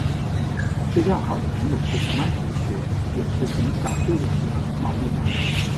最要好的朋友是同班同学也是从小就认识的毛利兰。